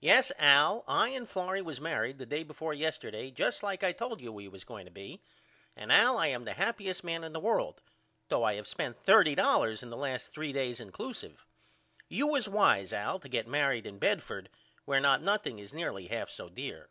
Yes Al I and Florrie was married the day before yesterday just like I told you we was going to be and Al I am the happyest man in the world though I have spent $30 in the last 3 days incluseive. You was wise Al to get married in Bedford where not nothing is nearly half so dear.